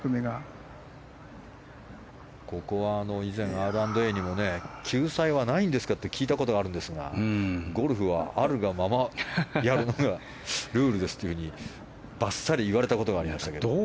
ここは以前、Ｒ＆Ａにも救済はないんですかって聞いたことがあるんですがゴルフは、あるがままやるのがルールですというふうにバッサリ言われたことがありましたけれども。